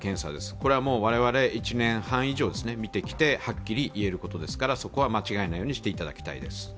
これは我々、１年半以上診てきてはっきりいえるところですからそこは間違えないようにしていただきたいです。